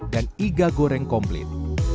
dan iga goreng komplit